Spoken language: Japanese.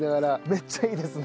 めっちゃいいですね。